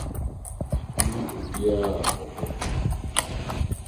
Fa ma obiara a wopɛ.